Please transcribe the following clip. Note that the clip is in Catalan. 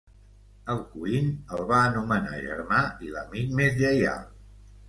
Alcuin el va anomenar germà i l'amic més lleial.